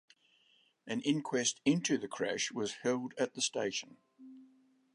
An inquest into the crash was held at the station.